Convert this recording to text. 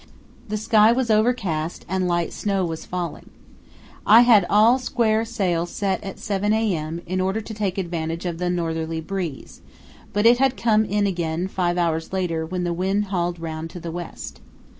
The sky was overcast and light snow was falling. I had all square sail set at 7 a.m. in order to take advantage of the northerly breeze, but it had to come in again five hours later when the wind hauled round to the west.